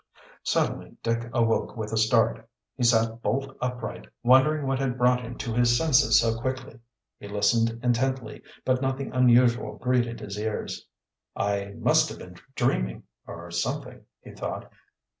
Suddenly Dick awoke with a start. He sat bolt upright, wondering what had brought him to his senses so quickly. He listened intently, but nothing unusual greeted his ears. "I must have been dreaming, or something," he thought.